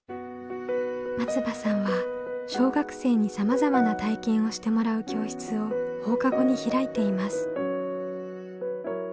松場さんは小学生にさまざまな体験をしてもらう教室を放課後に開いています。